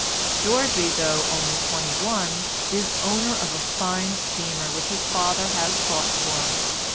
Georgie though only twenty one is owner of a fine steamer which his father has bought for him.